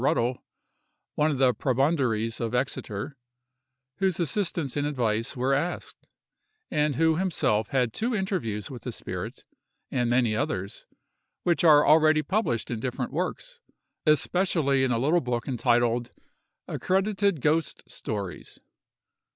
Ruddle, one of the prebendaries of Exeter, whose assistance and advice were asked, and who himself had two interviews with the spirit; and many others, which are already published in different works; especially in a little book entitled "Accredited Ghost Stories."